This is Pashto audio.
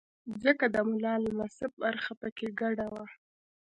ځکه د ملا لسمه برخه په کې ګډه وه.